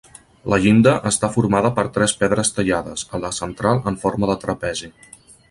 La llinda està formada per tres pedres tallades, la central en forma de trapezi.